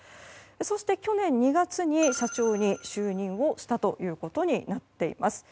そして去年２月に社長に就任をしたということになってます。